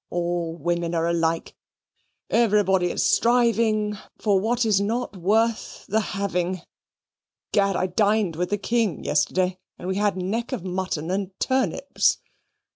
All women are alike. Everybody is striving for what is not worth the having! Gad! I dined with the King yesterday, and we had neck of mutton and turnips.